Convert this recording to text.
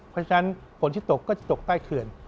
เพราะฉะนั้นฝนที่ตกก็จะตกใต้เขื่อน